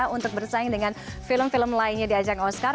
untuk bersaing dengan film film lainnya di ajang oscar